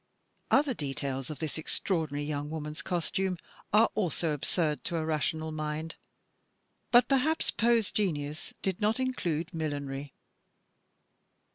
Other details of this extraordinary yoimg woman's costume are also absurd to a rational mind, but perhaps Poe's genius did not include millinery.